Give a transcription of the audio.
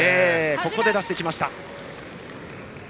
ここで出してきました。